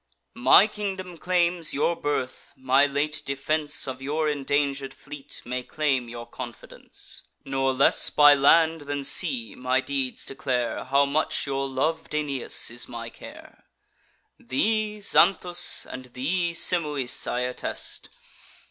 My kingdom claims your birth; my late defence Of your indanger'd fleet may claim your confidence. Nor less by land than sea my deeds declare How much your lov'd Aeneas is my care. Thee, Xanthus, and thee, Simois, I attest.